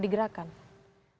di mana yang digerakkan